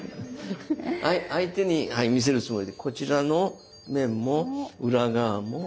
相手に見せるつもりでこちらの面も裏側も。